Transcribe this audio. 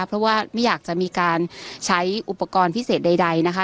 เพราะว่าไม่อยากจะมีการใช้อุปกรณ์พิเศษใดนะคะ